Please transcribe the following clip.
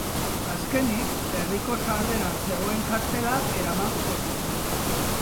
Azkenik, herriko sarreran zegoen kartela eraman zuten.